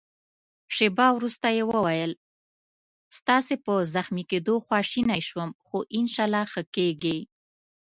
شېبه وروسته يې وویل: ستاسي په زخمي کېدو خواشینی شوم، خو انشاالله ښه کېږې.